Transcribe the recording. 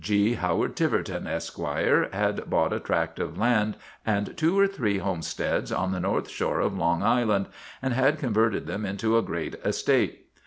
G. Howard Tiverton, Esq., had bought a tract of land and two or three homesteads on the north shore of Long Island and had con verted them into a great estate.